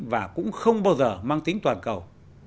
và cũng không bao giờ mang tính toàn cầu